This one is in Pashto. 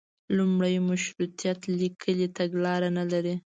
لومړی مشروطیت لیکلي تګلاره نه لري.